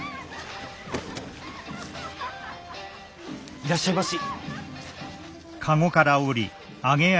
いらっしゃいまし。